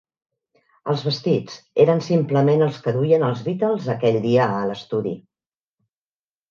Els vestits eren simplement els que duien els Beatles aquell dia a l'estudi.